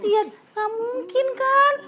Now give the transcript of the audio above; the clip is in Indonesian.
gak mungkin kan